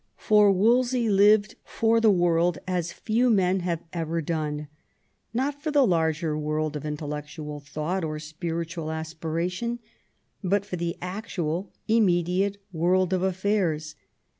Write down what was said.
For Wolsey lived for the world as few men have ever done ; not for the larger world of intellectual thought or spiritual aspiration, but for the actual, immediate world of affairs.